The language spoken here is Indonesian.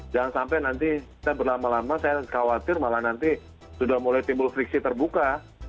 jangan sampai nanti kita berlama lama saya khawatir malah nanti sudah mulai timbul friksi terbuka